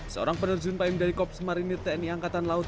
seorang penerjun payung dari kops marinir tni angkatan laut